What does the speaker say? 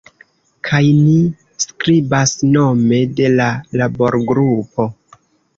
Kaj ni skribas nome de la laborgrupo.